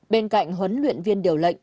bên cạnh huấn luyện viên điều lệnh